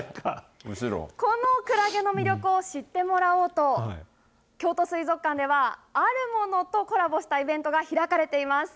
このクラゲの魅力を知ってもらおうと、京都水族館では、あるものとコラボしたイベントが開かれています。